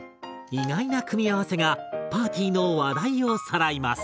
意外な組み合わせがパーティーの話題をさらいます！